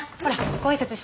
ご挨拶して。